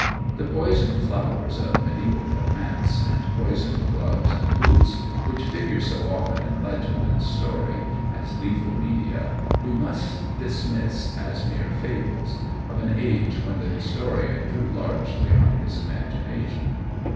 The poisoned flowers of mediæval romance, and poisoned gloves and boots, which figure so often in legend and story as lethal media, we must dismiss as mere fables of an age when the historian drew largely on his imagination.